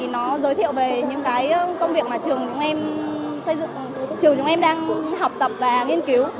nó giới thiệu về những công việc mà trường chúng em đang học tập và nghiên cứu